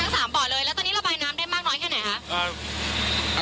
สามบ่อเลยแล้วตอนนี้ระบายน้ำได้มากน้อยแค่ไหนคะ